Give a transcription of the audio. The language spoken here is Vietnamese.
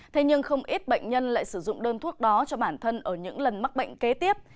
thế nhưng không ít bệnh nhân lại sử dụng đơn thuốc đó cho bản thân ở những lần mắc bệnh kế tiếp